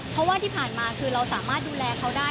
เพราะว่าที่ผ่านมาคือเราสามารถดูแลเขาได้